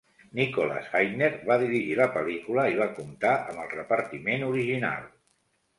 Nicholas Hytner va dirigir la pel·lícula i va comptar amb el repartiment original.